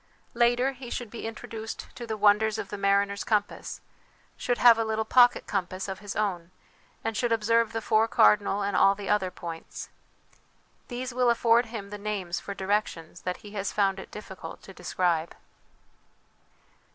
Later, he should be introduced to the wonders of the mariner's compass, should have a little pocket com pass of his own, and should observe the four cardinal and all the other points. These will afford him the names for directions that he has found it difficult to describe.